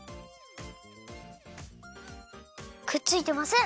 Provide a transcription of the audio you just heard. くっついてません！